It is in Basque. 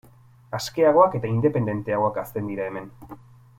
Askeagoak eta independenteagoak hazten dira hemen.